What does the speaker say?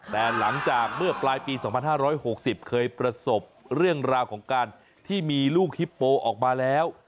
แต่หลังจากเมื่อปลายปี๒๕๖๐เคยประสบเรื่องราวของการที่มีลูกฮิปโปออกมาแล้ว